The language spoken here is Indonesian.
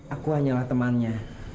aku hanyalah temannya